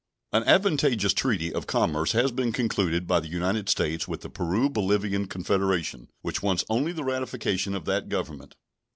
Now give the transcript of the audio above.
An advantageous treaty of commerce has been concluded by the United States with the Peru Bolivian Confederation, which wants only the ratification of that Government.